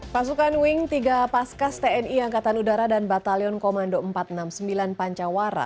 pasukan wing tiga paskas tni angkatan udara dan batalion komando empat ratus enam puluh sembilan pancawara